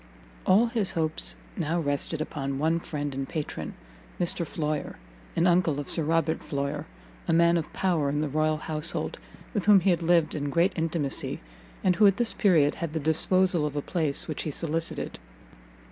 All his hopes now rested upon one friend and patron, Mr Floyer, an uncle of Sir Robert Floyer, a man of power in the royal household, with whom he had lived in great intimacy, and who at this period had the disposal of a place which he solicited.